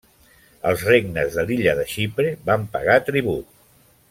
Els regnes de l'illa de Xipre van pagar tribut.